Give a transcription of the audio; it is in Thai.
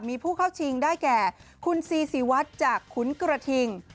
มีผู้เข้าชิงได้แก่คุณซีซีวัดจากขุนกระทิง